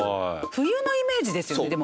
冬のイメージですよねでも。